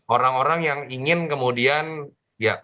orang orang yang ingin kemudian ya